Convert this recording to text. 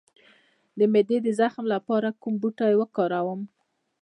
د معدې د زخم لپاره کوم بوټی وکاروم؟